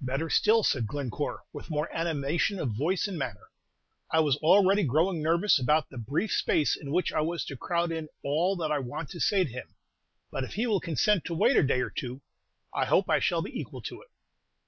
"Better still," said Glencore, with more animation of voice and manner. "I was already growing nervous about the brief space in which I was to crowd in all that I want to say to him; but if he will consent to wait a day or two, I hope I shall be equal to it."